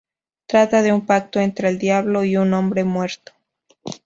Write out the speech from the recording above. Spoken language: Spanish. Trata de un pacto entre el Diablo y un hombre muerto.